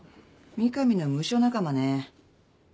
三上のムショ仲間ね。